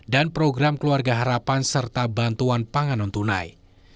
dan program keluarga harapan serta bantuan panganan tunai